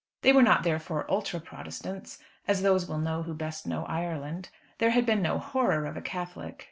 They were not, therefore, Ultra Protestants, as those will know who best know Ireland. There had been no horror of a Catholic.